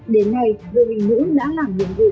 đến nay đồng hành nữ đã làm nhiệm vụ